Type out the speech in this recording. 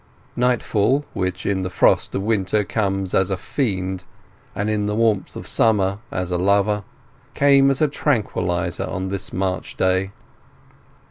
Nightfall, which in the frost of winter comes as a fiend and in the warmth of summer as a lover, came as a tranquillizer on this March day.